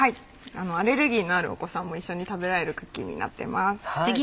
アレルギーのあるお子さんも一緒に食べられるクッキーになってます。